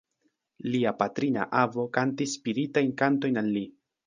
Lia patrina avo kantis spiritajn kantojn al li.